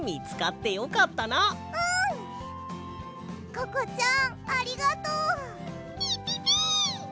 ココちゃんありがとう！ピピピッ！